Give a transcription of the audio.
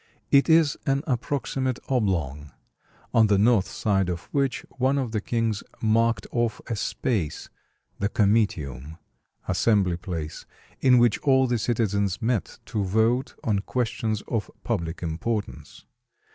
It is an approximate oblong, on the north side of which one of the kings marked off a space, the comitium (assembly place), in which all the citizens met to vote on questions of public importance.